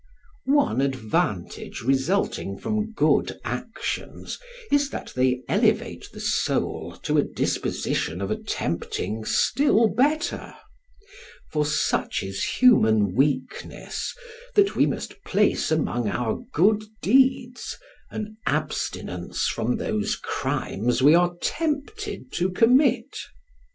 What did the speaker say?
One advantage resulting from good actions is that they elevate the soul to a disposition of attempting still better; for such is human weakness, that we must place among our good deeds an abstinence from those crimes we are tempted to commit.